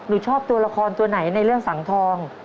หนูชอบตัวละครตัวไหนในเรื่องสังทอง